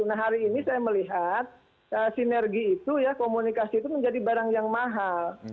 nah hari ini saya melihat sinergi itu ya komunikasi itu menjadi barang yang mahal